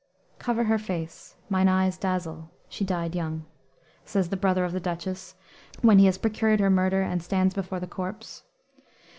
"Cover her face; mine eyes dazzle; she died young," says the brother of the Duchess, when he has procured her murder and stands before the corpse.